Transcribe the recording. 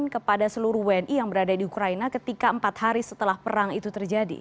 kepada seluruh wni yang berada di ukraina ketika empat hari setelah perang itu terjadi